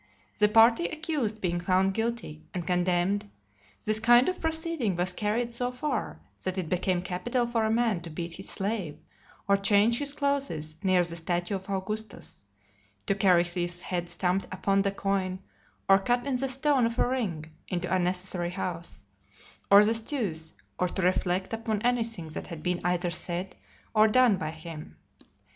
The party accused being found guilty, and condemned, this kind of proceeding was carried so far, that it became capital for a man to beat his slave, or change his clothes, near the statue of Augustus; to carry his head stamped upon the coin, or cut in the stone of a ring, into a necessary house, or the stews; or to reflect upon anything that had been either said or done by him.